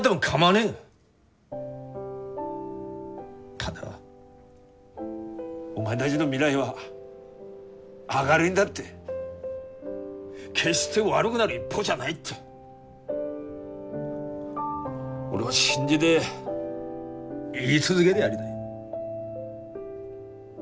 ただお前だぢの未来は明るいんだって決して悪ぐなる一方じゃないって俺は信じで言い続げでやりたい。